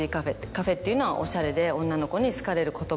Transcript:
カフェっていうのはおしゃれで女の子に好かれる言葉。